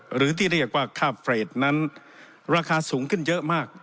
หรือที่เรียกว่าค่าเฟรดนั้นราคาสูงขึ้นเยอะมาก